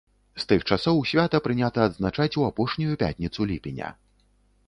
З тых часоў свята прынята адзначаць у апошнюю пятніцу ліпеня.